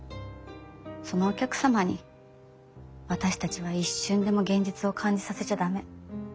そのお客様に私たちは一瞬でも現実を感じさせちゃ駄目。